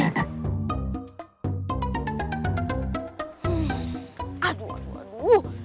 aduh aduh aduh